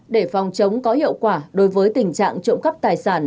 để phòng chống có hiệu quả đối với tình trạng trộm cắp tài sản